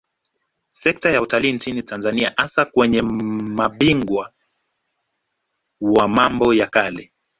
Sekta ya Utalii nchini Tanzania hasa kwenye mabingwa wa mambo ya kale